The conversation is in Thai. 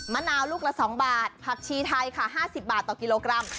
มะนาวลูกละ๒บาทผักชีไทยค่ะ๕๐บาทต่อกิโลกรัม